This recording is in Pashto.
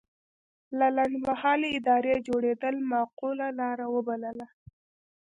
د لنډمهالې ادارې جوړېدل معقوله لاره وبلله.